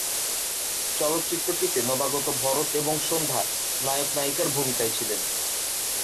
চলচ্চিত্রটিতে নবাগত ভরত এবং সন্ধ্যা নায়ক-নায়িকার ভূমিকায় ছিলেন।